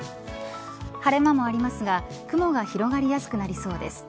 晴れ間もありますが雲が広がりやすくなりそうです。